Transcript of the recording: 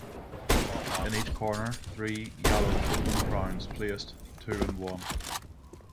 In each corner three yellow open crowns placed two and one.